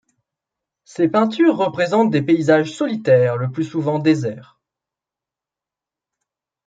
Ses peintures représentent des paysages solitaires le plus souvent déserts.